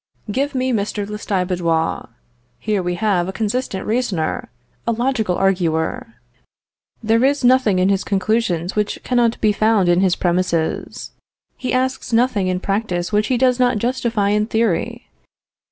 Give me Mr. Lestiboudois. Here we have a consistent reasoner! a logical arguer! There is nothing in his conclusions which cannot be found in his premises. He asks nothing in practice which he does not justify in theory.